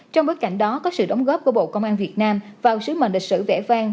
trong bối cảnh đó có sự đóng góp của bộ công an việt nam vào sứ mệnh lịch sử vẽ vang